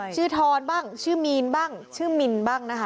ทอนบ้างชื่อมีนบ้างชื่อมินบ้างนะคะ